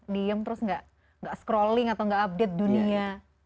diam terus gak scrolling atau gak update dunia